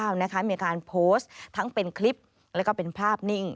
มีการโพสต์ทั้งเป็นคลิปแล้วก็เป็นภาพนิ่ง